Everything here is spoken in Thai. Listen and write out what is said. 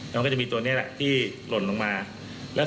มันก็จะมีตัวนี้แหละที่หล่นลงมา